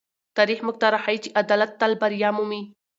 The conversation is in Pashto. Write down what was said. تاریخ موږ ته راښيي چې عدالت تل بریا مومي.